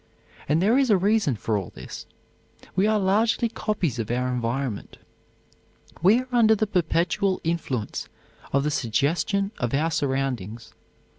And there is a reason for all this. We are largely copies of our environment. We are under the perpetual influence of the suggestion of our surroundings.